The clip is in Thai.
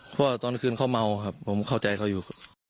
เพราะว่าตอนคืนเขาเมาครับผมเข้าใจเขาอยู่